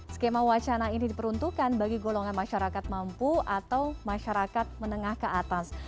skema wacana ini diperuntukkan bagi golongan masyarakat mampu atau masyarakat menengah ke atas